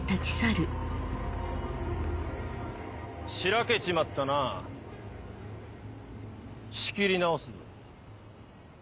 しらけちまったなぁ。仕切り直すぞ。